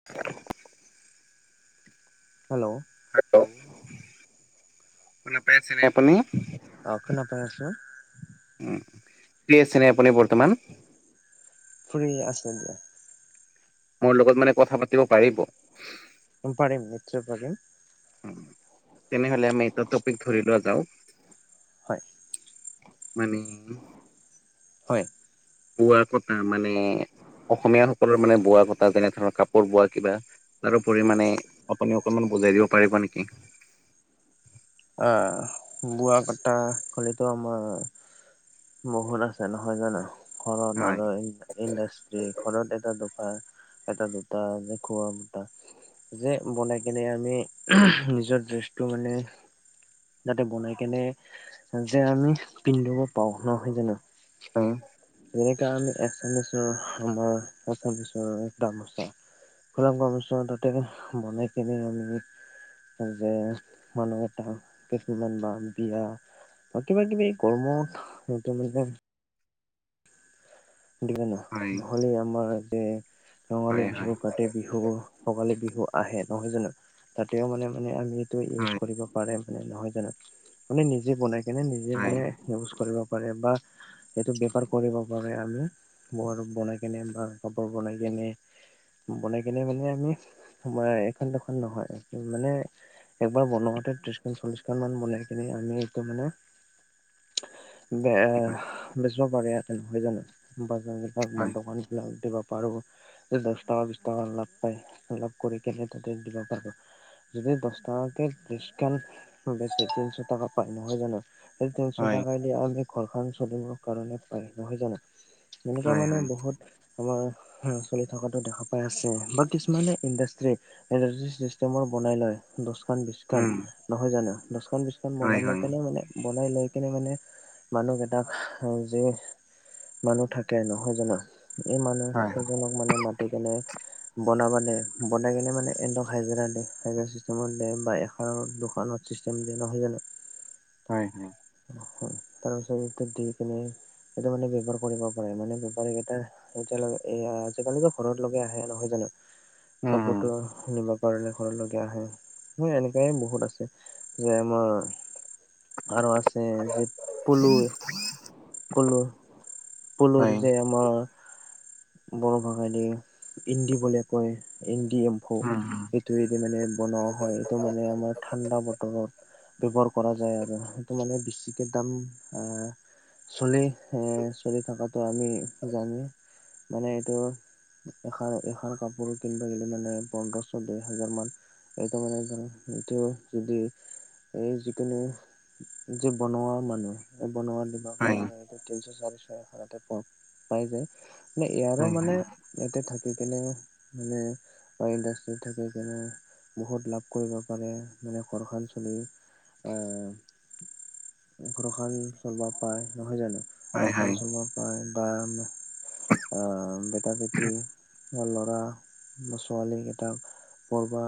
[unintelligible] Hello! Hello! ' শুনা পাই আছে নে আপুনি? অ শুনা পাই আছো। উম ফ্ৰি আছে নে আপুনি বৰ্তমান? ফ্ৰি আছো দিয়া। মোৰ লগত মানে কথা পাতিব পাৰিব? পাৰিম নিশ্চয় পাৰিম। তেনেহলে আমি এটা টপিক ধৰি লোৱা যাও। হয়। মানে হয়। বোৱা কটা মানে অসমীয়া সকলৰ মানে বোৱা কটা যেনে ধৰণৰ কাপোৰ বোৱা কিবা তাৰো পৰিমানে আপুনি অকনমান বুজাই দিব পাৰিব নেকি? অঁ বোৱা কটা কলেতো আমাৰ বহুত আছে নহয় জানো ঘৰত হয় আৰু ইণ্ডাষ্ট্ৰি ঘৰত এটা দুটা এটা দুটা যে খোৱা সূতা যে বনাই কেনে আমি নিজৰ ড্ৰেছটো মানে যাতে বনাই কেনে যে আমি পিন্ধিব পাৰো। নহয় জানো? উম। যেনেকা আমি আছামিছৰ আমাৰ আছামিছৰ গামোচা ফুলাম গামোচা তাতে বনাই কিনি আনি যে মানুহে এ কিছুমান বা বিয়া বা কিবা কিবি কৰ্মত এইটো মানে দিয়ে ন হয় নহ'লে আমাৰ যে ৰঙালী হয় বিহু, কা তি বিহু, ভোগালী বিহু আহে নহয় জানো তাতেও মানে মানে আমি ত' ইউজ হয় কৰিব পাৰে মানে নহয় জানো মানে নিজে বনাই কেনে নিজে হয় মানে ইউজ কৰিব পাৰে বা সেইটো বেপাৰ কৰিব পাৰে আমি। বনাই কেনে বা কাপোৰ বনাই কেনে বনাই কেনে মানে আমি এখন দুখন নহয় মানে একবাৰ বনোৱাতে ত্ৰিশখন চল্লিশখন মান বনাই কিনে আমি এইটো মানে বে বেচিব পাৰি আৰু বাজাৰত। বা কতবা হয় দোকান বিলাকত দিবা পাৰো। দহ টকা বিশ টকা লাভ পায় লাভ কৰি কেনে তাতে দিব পাৰো। যদি দহ টাকে ত্ৰিশখন বেছে তিনশ টকা পায় নহয় জানো সেই তিনশ হয় টকা দি আমি ঘৰখন চলিব কাৰণে পাই নহয় জানো এনেকুৱা হয় মানে হয় বহুত আমাৰ চলি থকাতো দেখা পাই আছে বা কিছুমানে ইণ্ডাষ্ট্ৰি এনে যে চিষ্টেমৰ বনাই লয়। দহখন বিশখন উম নহয় জানো দহখন বিশখন হয় বনাই লৈ হয় কেনে মানে বনাই লৈ কিনে মানে মানুহ কেইটাক যে মানুহ থাকে নহয় জানো এই মানুহ হয় কেইজনক মানে মাতি কেনে বনাব দিয়ে বনাই কিনে মানে ইহঁতক হাজিৰা দিয়ে হাজিৰা চিষ্টেমত বা এখনত দুখনত চিষ্টেম দিয়া নহয় জানো হয় হয় তাৰ পিছত এইটো দি কিনে সেইটো মানে ব্যৱহাৰ কৰিব হয় মানে বেপাৰী কেইটা এতিয়ালে এ আজিকালি ঘৰত লগে আহে নহয় জানো উম কাপোৰটোক নিবলে ঘৰতলৈকে আহে মই এনেকাই বহুত আছে যে মোৰ আৰু আছে যে পলু পলু পলুৰ হয় যে আমাৰ বড়ো ভাষাইদি ইন্দী বুলি কয় ইন্দী অ উম এইটোৱেদি মানে বনোৱা হয় এইটো মানে আমাৰ ঠাণ্ডা বতৰত ব্যৱহাৰ কৰা যায় আৰু সেইটো মানে বেছিকে দাম আহ চলি এ চলি থকাটো আমি জানি মানে এইটো এখন এখন কাপোৰ কিনিব গলে মানে পোন্ধৰশ দেৰ হাজাৰ মান এইটো মানে ধৰা এইটো যদি এই যিকোনো যে বনোৱা মানুহ এই বনোৱা দিব হয় কাৰণে এইটো তিনিশ চাৰিশ তাতে পোৱা পাই যায় মানে ইয়াৰো হয় হয় মানে হয় ইয়াতে থাকি কেনে মানে বা ইণ্ডাষ্ট্ৰি থাকে কেনে বহুত লাভ কৰিব পাৰে মানে ঘৰখন চলি আহ ঘৰখন চলাব পাৰে নহয় জানো ঘৰখন চলাব পাৰে বা আ বেটা বেটি বা ল'ৰা বা ছোৱালী কেইটা কৰবা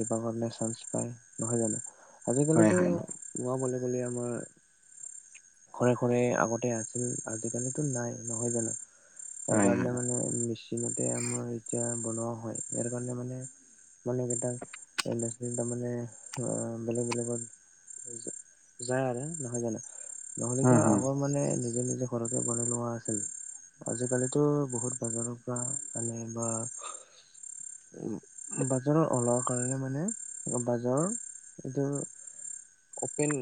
দিবা চানস পাই নহয় জানো হয় হয় হয় আজিকালিতো [unintelligible] আমাৰ ঘৰে ঘৰে আগতে আছে আজিকালিতো নাই নহয় জানো তাৰ হয় হয় কাৰণে মানে মেচ সেইমতে আমাৰ এতিয়া বনোৱা হয় ইয়াৰ কাৰণে মানে মানে একেইটা ইড্ৰাষ্ট্ৰি তাৰমানে বেলেগ বেলেগত যায় আৰু নহয় জানো নহ'লেতো আগৰ মানে নিজে নিজে ঘৰতে বনাই লোৱা আছিল আজিকালিতো বহুত বজাৰৰ পৰা আনে বা বজাৰৰ ওলোৱা কাৰণে মানে বজাৰ এইটো অপেন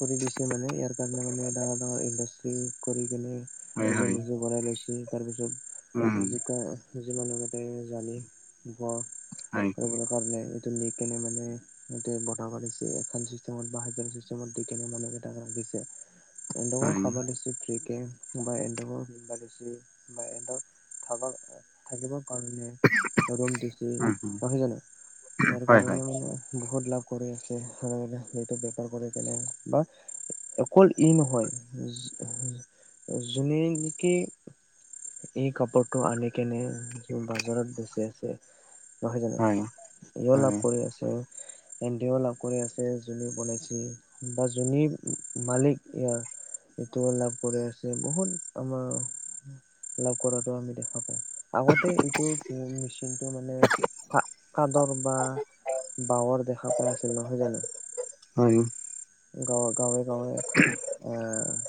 কৰি দিছে মানে ইয়াৰ কাৰণে ডাঙৰ ডাঙৰ ইড্ৰাচিটি কৰি কিনে নিজে নিজে বনাই লৈছে তাৰপিছত জিকা যি মানুহ কেইটা জালি ভোৱা কৰিবৰ কাৰণে এইটো নি কেনে মানে বতাহ মাৰিছে এখন চিষ্টেমৰ বা চিষ্টেম দি কেনে মানুহ কেইটা ৰাখিছে হেল্ল ফ্ৰী কে বা এডোখৰ [unintelligible] থাকিব কাৰণে ৰুম দিছে নহয় জানো ইয়াৰ কাৰণে মানে বহুত লাভ কৰি আছে সেইটো বেপাৰ কৰি কেনে বা অকল ই নহয় যো যোনেই নেকি এই কাপোৰটো আনি কেনে বজাৰত বেচি আছে নহয় জানো ইয়ো লাভ কৰি আছে হেতিও লাভ কৰি আছে যোনে বনাইছে বা যোনে মালিক ইয়াৰ সেতেও লাভ কৰি আছে বহুত আমাৰ লাভ কৰাটো আমি দেখা পাওঁ আগতে এইটো মেচিনটো মানে বা কাদৰ বা বাৱৰ দেখা পাই আছিল নহয় জানো হয় ন গাঁৱৰ গাঁৱে গাঁৱে এ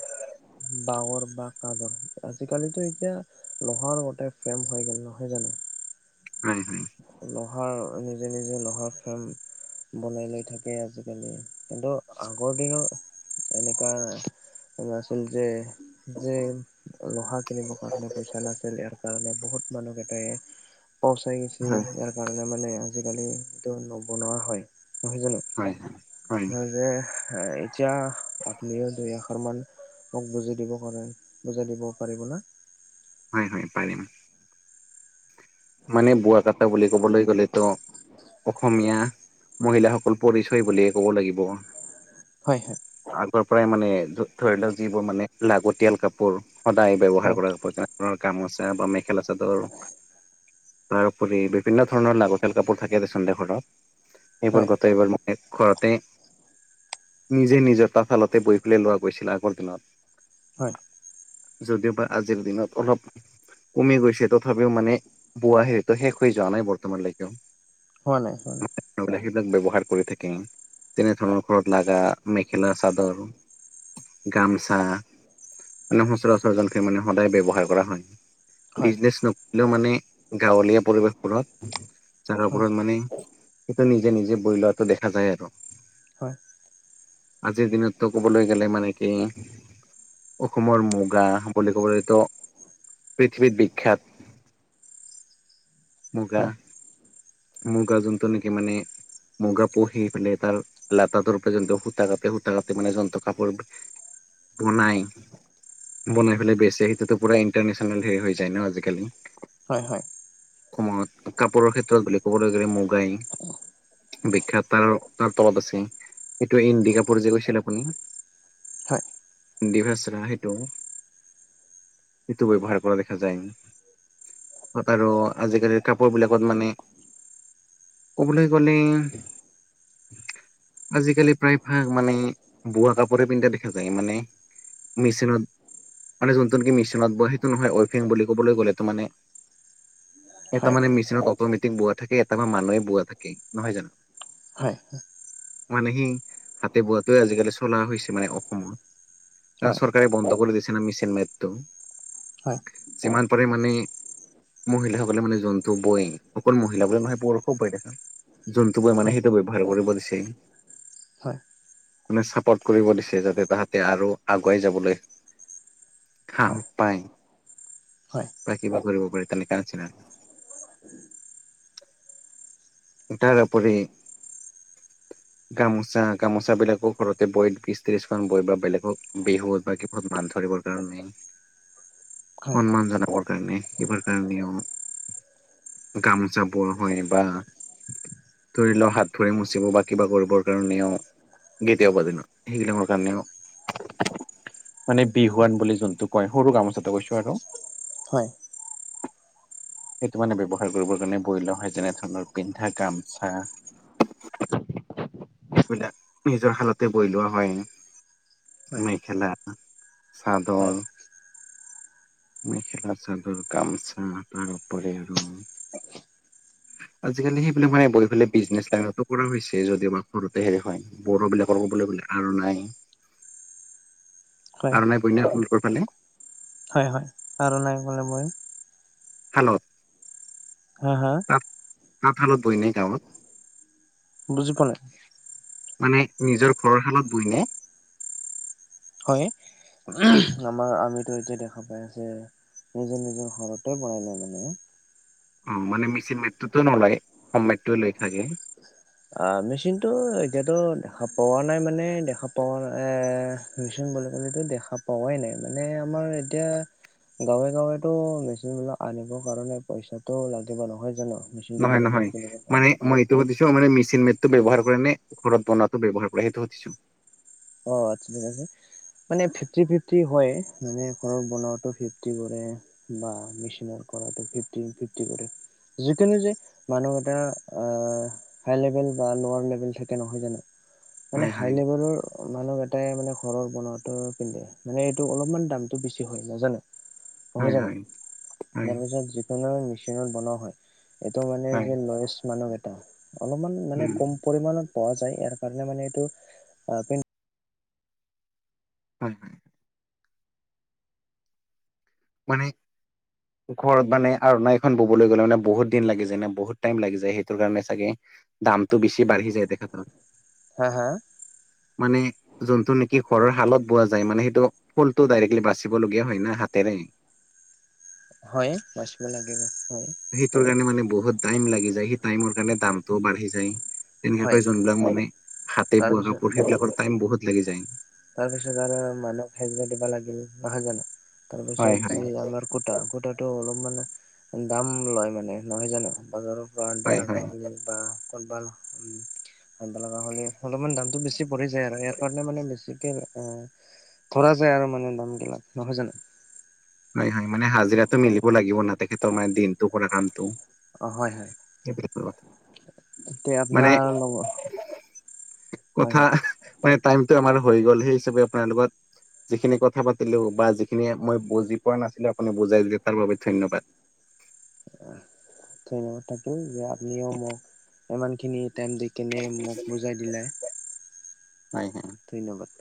বাহৰ বা কাঠৰ আজি কালিতো এতিয়া লোহাৰ গোটে ফ্ৰেম হৈ গ'ল নহয় জানো হয় হয় লোহাৰ নিজে নিজে লোহাৰ ফ্ৰেম বনাই লৈ থাকে আজিকালি কিন্তু আগৰ দিনৰ এনেকা নাছিল যে যে লোহা কিনিবৰ কাৰণে পইচা নাছিল ইয়াৰ কাৰণে বহুত মানুহকেইটাই পচাই গৈছে ইয়াৰ কাৰণে মানে আজি কালি এইটো নবনোৱা হয় নহয় জানো হয় হয় হয় যে এতিয়া আপনিও দুই আখৰ মান মোক বুজাই দিব পাৰে বুজাই দিব পাৰিব না হয় হয় পাৰিম মানে বোৱা কাটা বুলি ক'বলৈ গ'লেতো অসমীয়া মহিলাসকল পৰিচয় বুলিয়ে ক'ব লাগিব হয় হয় আগৰ পৰাই মানে ধৰি লও যিবোৰ মানে লাগতিয়াল কাপোৰ সদায় ব্যৱহাৰ হয় কৰা যেনে ধৰণৰ গামোচা বা মেখেলা চাদৰ তাৰোপৰি বিভিন্ন ধৰণৰ লাগতিয়াল কাপোৰ থাকে দেচোন দে ঘৰত হয় হয় এইবোৰ গোটেইবোৰ এ ঘৰতে নিজে নিজৰ তাঁত শালতে বৈ পেলাই লোৱা গৈছিলে আগৰ দিনত হয় যদিওবা আজিৰ দিনত অলপ কমি গৈছে তথাপিও মানে বোৱা সেইতো শেষ হৈ যোৱা নাই বৰ্তমানলৈকেও হোৱা নাই হোৱা নাই সেইবিলাক ব্যৱহাৰ কৰি থাকিম তেনে ধৰণৰ ঘৰত লাগা মেখেলা চাদৰ গামোচা মানে সচৰাচৰ যোনখিনি মানে সদায় ব্যৱহাৰ কৰা হয় হয় বিজনেছ নকৰিলেও মানে গাঁৱলীয়া পৰিৱেশবোৰত যাৰ হয় ওপৰত মানে সেইটো নিজে নিজে বৈ লোৱাটো দেখা যায় আৰু হয় আজিৰ দিনতটো ক'বলৈ গ'লে মানে কি অসমৰ মুগা বুলি ক'বলৈতো পৃথিৱীত বিখ্যাত মুগা হয় মুগা যোনটো নেকি মানে মুগা পুহি পেলাই তাৰ লাটাতোৰ পৰা যোনটো সূতা কাটে সূতা কাটি মানে যোনটো কাপোৰ পোনাই বনাই পেলাই বেছে সেইটোতো পুৰা ইণ্টাৰনেশচনেল হেৰি হৈ যায় ন আজিকালি হয় হয় সময়ত কাপোৰৰ ক্ষেত্ৰত বুলি ক'বলৈ গ'লে মুগাই বিখ্যাত তাৰ তাৰ তলত আছে এইটো ইণ্ডিকাপুৰ যে গৈছিল আপুনি হয় ডিভাইচা সেইটো সেইটো ব্যৱহাৰ কৰা দেখা যায় আৰু আজি কালিৰ কাপোৰ বিলাকত মানে ক'বলৈ গ'লে আজি কালি প্ৰায় ভাগ মানে বোৱা কাপোৰে পিন্ধা দেখা যায় মানে মেচিনত মানে যোনটো নেকি মেচিনত বয় সেইটো নহয় উইভিং বুলি ক'বলৈ গ'লেতো মানে এটা হয় হয় মানে মেচিনত অট'মেটিক বোৱা থাকে, এটা মানুহে বোৱা থাকে নহয় জানো? হয়। মানে সি হাতে বোৱাটোয়ে আজিকালি চলা হৈছে মানে অসমত। কাৰণ হয় চৰকাৰে বন্ধ কৰি দিছে না মেচিন মেটটো। হয় হয় হয় যিমান পাৰে মানে মহিলাসকলে মানে জন্তু বয়ন, অকল মহিলাবোৰে নহয় পুৰুষো বৈ থাকে। যন্তুবোৰ হয় হয় হয় মানে সেইটো ব্যৱহাৰ কৰিব দিছে। হয় মানে ছাপৰ্ট কৰিব দিছে যাতে তাহাঁতে আৰু আগুৱাই যাবলৈ সাহ পাই বা কিবা কৰিব পাৰি তেনেকা নিচিনা। তাৰ উপৰি গামোচা গামোচাবিলাকো ঘৰতে বৈ, বিশ ত্ৰিশখন বৈ বা বেলেগক বিহুত বা বহুত মাছ ধৰিবৰ কাৰণে। সন্মান জনাবৰ কাৰণে, কিবাৰ কাৰণেও। গামোচা বোৱা হয় বা ধৰি লওঁ হাত ধৰে মচিব বা কিবা কৰিবৰ কাৰণেও। গেতিয়াবা জানো, সেইগিলা মোৰ কাৰণেও মানে বিহুৱান বুলি যোনটো কয়, সৰু গামোচা কৈছোঁ আৰু। হয়। সেইটো মানে ব্যৱহাৰ কৰিবৰ কাৰণে বৈ লোৱা হয় যেনে ধৰণৰ পিন্ধা গামছা এইবিলাক নিজৰ শালতে বৈ লোৱা হয় নি? মেখেলা, চাদৰ। মেখেলা চাদৰ, কামচা তাৰ উপৰি আৰু আজিকালি সেইবিলাক মানে বইফেলে বিজনেছ লাইনতো কৰা হৈছে যদিওবা ঘৰতে হেৰি হয়। বড়োবিলাকৰ ক'বলৈ গ'লে আৰু নাই। হয় আৰণাই বইনা আপোনালোকৰ ফালে? হয় হয়, তাৰো নাই ক'লে মই। হেল্ল'। হা, হা? তাঁত তাঁতশালত বৈ নে গাঁৱত? বুজি পোৱা নাই। মানে নিজৰ ঘৰৰ শালত বৈ নে? হয়, আমাৰ আমিতো এতিয়া দেখা পাই আছে নিজৰ নিজৰ ঘৰতে বনাই লয় মানে। অ' মানে মেচিন মেটটোতো নোলায়, কম মেটটো লৈ থাকে। আ, মেচিনটো এতিয়াতো দেখা পোৱা নাই মানে দেখা পোৱা না এ মেচিন বুলি কলেতো দেখা পোৱাই নাই মানে আমাৰ এতিয়া গাঁৱে গাঁৱেতো মেচিনবিলাক আনিব কাৰণে পইচাটো লাগিব নহয় জানো? মেচিনটো নহয় কিনি নহয়, কিনিব মানে কাৰণে মই টো সুধিছোঁ মানে মেচিন মেটটো ব্যৱহাৰ কৰে নে ঘৰত বনোৱাটো ব্যৱহাৰ কৰে সেইটো সুধিছোঁ। অ' [unintelligible] মানে ফিফটি ফিফটি হয়, মানে ঘৰত বনোৱাটো ফিফটি কৰে বা মেচিনৰ কৰাটো ফিফটি ফিফটি কৰে। যিকোনো যে মানুহ এটা আ হাই লেভেল বা ল'ৱাৰ লেভেল থাকে নহয় জানো, মানে হয় হাই হয় লেভেলৰ মানুহ কেটাই মানে ঘৰৰ বনোৱাটো পিন্ধে, মানে এইটো অলপমান দামটো বেছি হয় নাজানা? হয় হয়জানো হয় হয় তাৰপিছত যিকোনো মেচিনত বনোৱা হয়। এইটো মানে হয় যে লয়ছ মানুহ কেইটা অলপমান মানে উম কম পৰিমাণত পোৱা যায় ইয়াৰ কাৰণে মানে এইটো আপিন হয়ঁ! হয়ঁ! মানে ঘৰত মানে আৰু নৈ এখন ববলৈ গ'লে মানে বহুত দিন লাগি যায় নে বহুত টাইম লাগি যায় সেইটো কাৰণে চাগে দামটো বছি বাঢ়ি যায় তেখেতৰ হা হা! মানে যোনটো নেকি ঘৰৰ হালত বোৱা যায় মানে সেইটো ফুলটো ডাইৰেক্টলি বাচিবলগীয়া হয় না হাতেৰে হয় বাচিব লাগিব হয়। সেইটোৰ কাৰণে মানে বহুত টাইম লাগি যায় সেই টাইমৰ কাৰণে দামটোও বাঢ়ি যায়। হয় তেনেকাকৈ যোনবিলাক মানে হাতে বোৱা তাৰপিছত কাপোৰ সেইবিলাক টাইম বহুত লাগি যায় তাৰপিছত আৰু মানুহক সেজৰা দিবা লাগিল নহয় জানো হয় তাৰপিছত হয় যি আমাৰ কোটা কোটা টো অলমান দাম লয় মানে নহয় জানো বজাৰৰ পৰা আনিব হয় লগা হয় হ'লে বা ক'ত ভাল উম আনিব লগা হ'লে অলপমান দামটো বেছি পৰি যায় আৰু ইয়াৰ কাৰণে মানে বেছি কি এ ধৰা যায় আৰু মানে দাম গিলাক নহয় জানো হয় হয় মানে হাজিৰাটো মিলিব লাগিব ন তেখেতৰ মানে দিনটো কৰা কামটো। অঁ! হয় হয় কে পিঠিকৰ এতিয়া মানে আপোনাৰ লগৰ হয় কথা হয় মানে টাইমটো আমাৰ হৈ গ'ল সেই হিচাপে আপোনাৰ লগত যিখিনি কথা পাতিলো বা যিখিনি মই বুজি পোৱা নাছিলো আপুনি বুজাই দিলে, তাৰ বাবে ধন্যবাদ। আহ! ধন্যবাত থাকিল যে আপুনিও মোক ইমান খিনি টাইম দি কেনে মোক বুজাই দিলে। হযঁ! হয়ঁ! ধন্যবাদ।